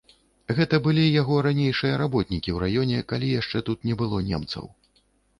Гэта былі яго ранейшыя работнікі ў раёне, калі яшчэ тут не было немцаў.